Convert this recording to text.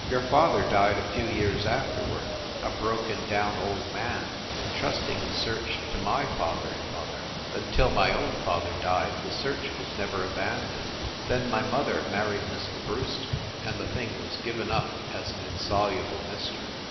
Your father died a few years afterward, a broken down old man, entrusting the search to my father and mother. Until my own father died the search was never abandoned. Then my mother married Mr. Brewster, and the thing was given up as an in soluble mystery.